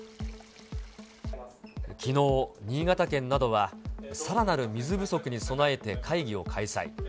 きのう、新潟県などは、さらなる水不足に備えて会議を開催。